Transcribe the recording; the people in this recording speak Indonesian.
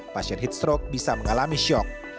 pasien heat stroke bisa mengalami syok